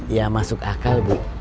ya masuk akal bu